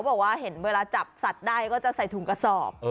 บอกว่าเห็นเวลาจับสัตว์ได้ก็จะใส่ถุงกระสอบ